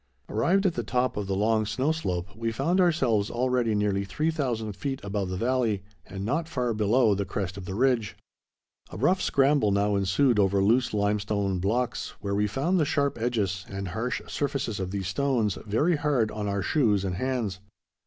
Arrived at the top of the long snow slope, we found ourselves already nearly 3000 feet above the valley and not far below the crest of the ridge. A rough scramble now ensued over loose limestone blocks, where we found the sharp edges, and harsh surfaces of these stones, very hard on our shoes and hands.